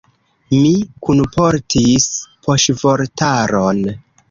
Mi kunportis poŝvortaron.